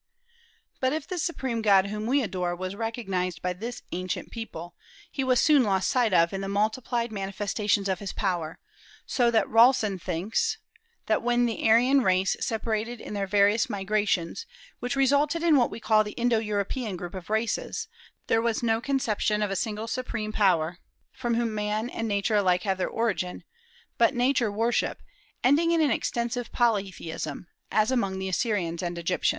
But if the Supreme God whom we adore was recognized by this ancient people, he was soon lost sight of in the multiplied manifestations of his power, so that Rawlinson thinks that when the Aryan race separated in their various migrations, which resulted in what we call the Indo European group of races, there was no conception of a single supreme power, from whom man and nature have alike their origin, but Nature worship, ending in an extensive polytheism, as among the Assyrians and Egyptians.